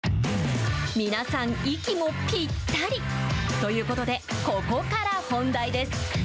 皆さん息もぴったりということでここから本題です。